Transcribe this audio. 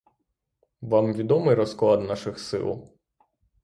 Вам відомий розклад наших сил?